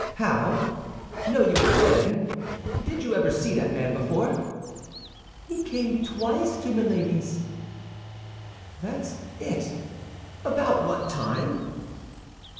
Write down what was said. "How? know you again? Did you ever see that man before?" "He came twice to Milady's." "That's it. About what time?"